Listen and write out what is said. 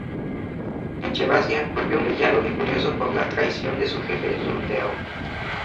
Echevarría volvió humillado y furioso por la traición de su jefe Rondeau.